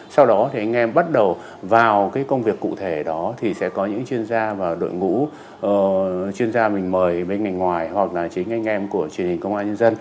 sau đó thì anh em bắt đầu vào cái công việc cụ thể đó thì sẽ có những chuyên gia và đội ngũ chuyên gia mình mời bên ngành ngoài hoặc là chính anh em của truyền hình công an nhân dân